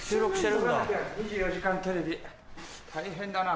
急がなきゃ『２４時間テレビ』大変だな。